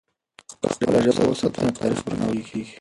که خپله ژبه وساتو، نو تاریخ به نه ورکېږي.